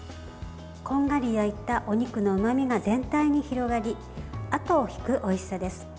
こんがり焼いたお肉のうまみが全体に広がりあとを引くおいしさです。